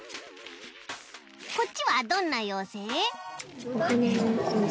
こっちはどんな妖精？